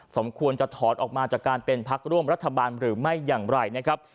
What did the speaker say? สมควรจะถอนออกมาจากการเป็นพักร่วมรัฐบาลหรือไม่อย่างไรนะครับ